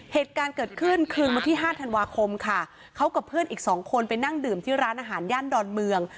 เหตุการณ์เกิดขึ้นคืนวันที่ห้าธันวาคมค่ะเขากับเพื่อนอีกสองคนไปนั่งดื่มที่ร้านอาหารย่านดอนเมือง